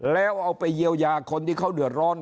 แล้วเอาไปเยียวยาคนที่เขาเดือดร้อน